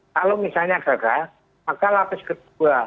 kalau misalnya gagal maka lapis kedua